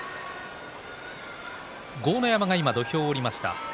豪ノ山が今、土俵を下りました。